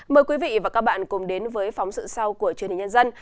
mời quý vị và các bạn cùng đến với phóng sự sau của truyền hình nhân dân